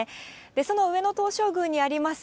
その上野東照宮にあります